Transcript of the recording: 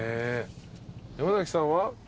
山崎さんは？